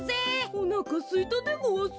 おなかすいたでごわす。